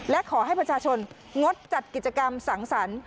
และขอให้ประชาชนงดจัดกิจกรรมสังสรรค์